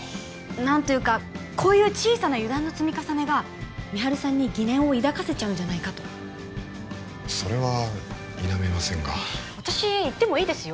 何というかこういう小さな油断の積み重ねが美晴さんに疑念を抱かせちゃうんじゃないかとそれは否めませんが私行ってもいいですよ